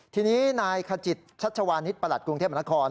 ทีนี้นายขจิตชัชวานิสประหลัดกรุงเทพมนาคม